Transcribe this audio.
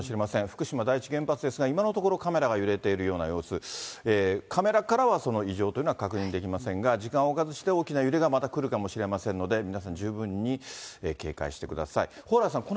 福島第一原発ですが、今のところ、カメラが揺れているような様子、カメラからは異常というのは確認できませんが、時間を置かずして大きな揺れがまた来るかもしれませんので、皆さん、十分に警戒してください。